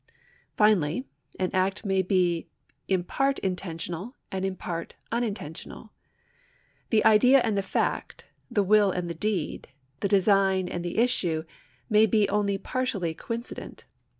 Finally an act may be in part intentional and in part unintentional. The idea and the fact, the will and the deed, the design and the issue, may be only partially coincident.